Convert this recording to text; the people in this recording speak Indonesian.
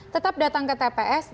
tetap datang ke tps